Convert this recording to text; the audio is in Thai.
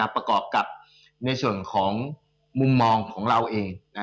ประกอบกับในส่วนของมุมมองของเราเอง